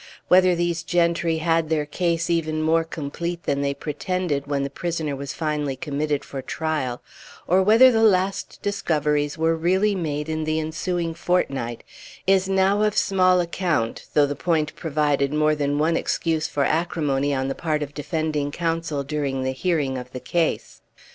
Whether these gentry had their case even more complete than they pretended, when the prisoner was finally committed for trial, or whether the last discoveries were really made in the ensuing fortnight, is now of small account though the point provided more than one excuse for acrimony on the part of defending counsel during the hearing of the case.